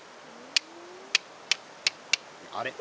あれ？